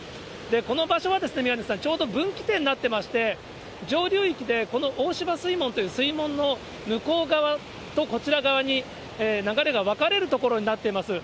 この場所は、宮根さん、ちょうど分岐点になっていまして、上流域でこのおおしば水門という、水門の向こう側とこちら側に、流れが分かれる所になっています。